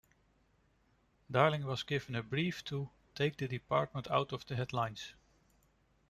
Darling was given a brief to "take the department out of the headlines".